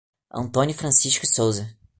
Antônio Francisco Souza